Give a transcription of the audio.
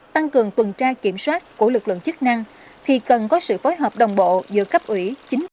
tăng cường tuần tra kiểm soát của lực lượng chức năng thì cần có sự phối hợp đồng bộ giữa cấp ủy chính quyền